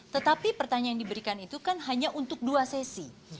tetapi pertanyaan yang diberikan itu kan hanya untuk dua sesi